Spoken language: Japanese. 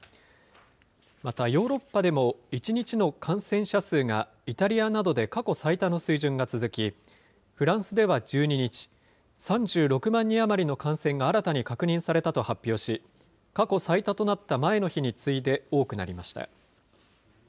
またヨーロッパでも１日の感染者数がイタリアなどで過去最多の水準が続き、フランスでは１２日、３６万人余りの感染が新たに確認されたと発表し、過去最多となった前の日に次いで多くなりました。